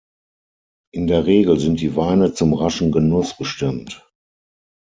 In der Regel sind die Weine zum raschen Genuss bestimmt.